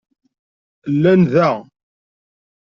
Llan da.